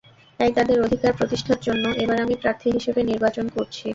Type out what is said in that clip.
তাই তাঁদের অধিকার প্রতিষ্ঠার জন্য এবার আমি প্রার্থী হিসেবে নির্বাচন করছি।